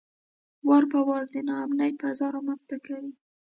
وار په وار د ناامنۍ فضا رامنځته کوي.